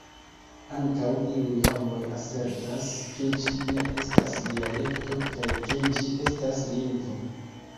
Ankaŭ iuj homoj asertas ke ĝi ne estas dialekto kaj ke ĝi estas lingvo.